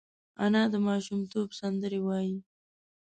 انا د ماشومتوب سندرې وايي